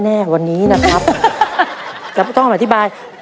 แล้ววันนี้ผมมีสิ่งหนึ่งนะครับเป็นตัวแทนกำลังใจจากผมเล็กน้อยครับ